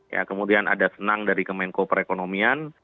ya kemudian ada senang dari kemenko perekonomian